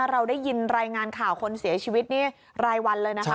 เราได้ยินรายงานข่าวคนเสียชีวิตนี่รายวันเลยนะคะ